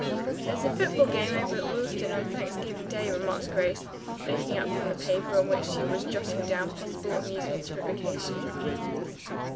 "There's a football game over at Willston, on Thanksgiving Day," remarked Grace, looking up from the paper on which she was jotting down possible amusements for vacation.